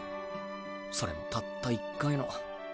それもたった１回の。